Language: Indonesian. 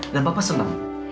dan papa seneng